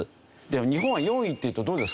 日本は４位っていうとどうですか？